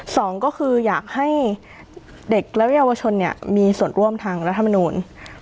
สองก็คืออยากให้เด็กและเยาวชนเนี่ยมีส่วนร่วมทางรัฐมนูล